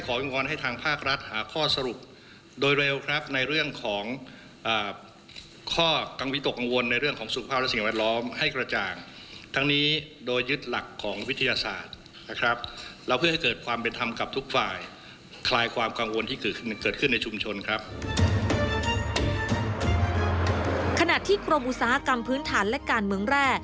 ขณะที่กรมอุตสาหกรรมพื้นฐานและการเมืองแร่